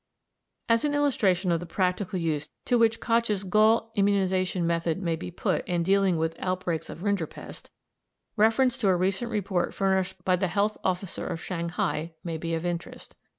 As an illustration of the practical use to which Koch's gall immunisation method may be put in dealing with outbreaks of rinderpest, reference to a recent report furnished by the Health Officer of Shanghai may be of interest.